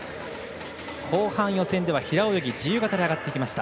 後半、予選では平泳ぎ自由形で上がってきました。